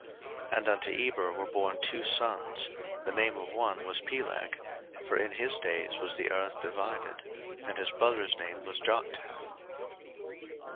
01:010:025 And unto Eber were born two sons: the name of one was Peleg; for in his days was the earth divided; and his brother's name was Joktan.